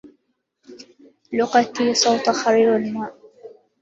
لغتي صوت خرير الماء